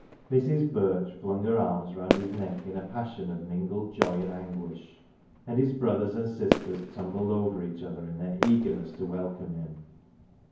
Mi's. Birch flung her arms round his neck in a passion of mingled joy and anguish, and his brothers and sisters tumbled over each other in their eagerness to welcome him.